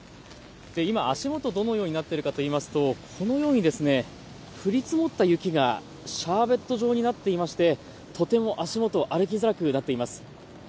今、足元、どのようになってるかといいますと、このように降り積もった雪がシャーベット状になっていましてとても足元歩きづらくなっています。